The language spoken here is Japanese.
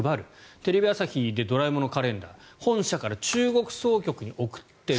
テレビ朝日で「ドラえもん」のカレンダー本社から中国総局に送っている。